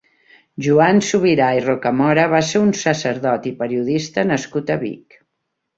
Joan Subirà i Rocamora va ser un sacerdot i periodista nascut a Vic.